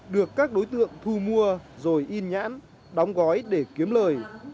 được các đối tượng thu mua rồi in nhãn đóng gói để kiếm lời